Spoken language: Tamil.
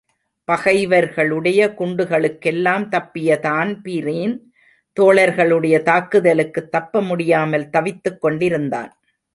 பகைவர்களுடைய குண்டுகளுக்கெல்லாம் தப்பிய தான்பிரீன் தோழர்களுடைய தாக்குதலுக்குத் தப்பமுடியாமல் தவித்துக் கொண்டிருந்தான்!